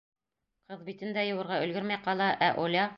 Ҡыҙ битен дә йыуырға өлгөрмәй ҡала, ә Оля?